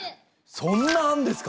そんなあるんですか！？